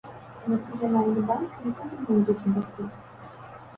Нацыянальны банк не павінен быць убаку.